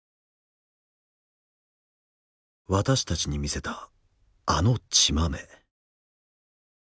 私たちに見せたあの血まめ。